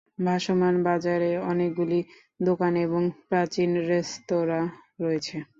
ভাসমান বাজারে অনেকগুলি দোকান এবং প্রাচীন রেস্তোঁরা রয়েছে।